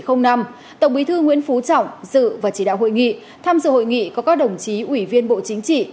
tổng bí thư nguyễn phú trọng dự và chỉ đạo hội nghị tham dự hội nghị có các đồng chí ủy viên bộ chính trị